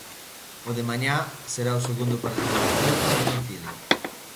O de mañá será o segundo partido do Celta a domicilio.